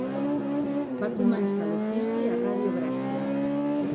Va començar l'ofici a Ràdio Gràcia.